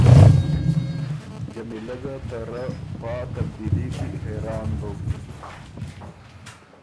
جمیلۀ ګه ته رۀ پا تبدیلي کی حېران بُک